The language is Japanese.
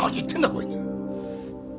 こいつ。